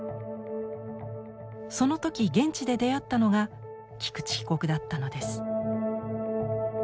その時現地で出会ったのが菊池被告だったのです。